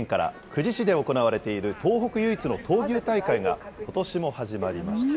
久慈市で行われている東北唯一の闘牛大会が、ことしも始まりまし